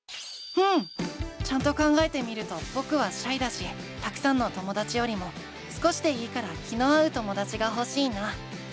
うん！ちゃんと考えてみるとぼくはシャイだしたくさんのともだちよりも少しでいいから気の合うともだちがほしいな。